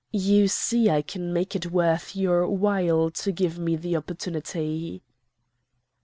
You see I can make it worth your while to give me the opportunity.